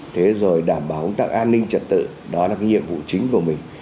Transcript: thế rồi đảm bảo tặng an ninh trật tự đó là cái nhiệm vụ chính của mình